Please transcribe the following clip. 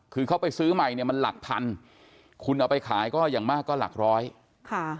คือเขาไปซื้อใหม่เนี่ยมันหลักพันคุณเอาไปขายก็อย่างมากก็หลักร้อยค่ะ